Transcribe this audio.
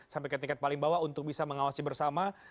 sampai ke tingkat paling bawah untuk bisa mengawasi bersama